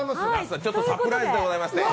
ちょっとサプライズでございまして。